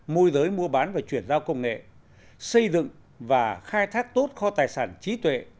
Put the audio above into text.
môi giới mua bán và chuyển giao công nghệ xây dựng và khai thác tốt kho tài sản trí tuệ